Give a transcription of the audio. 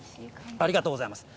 ありがとうございます。